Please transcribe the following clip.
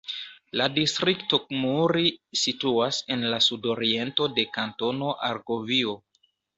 La distrikto Muri situas en la sudoriento de Kantono Argovio.